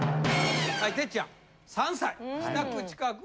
はい哲ちゃん３歳。